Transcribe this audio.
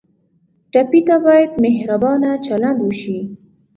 ټپي ته باید مهربانه چلند وشي.